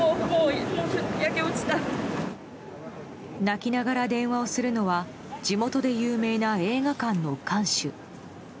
泣きながら電話をするのは地元で有名な映画館の館主。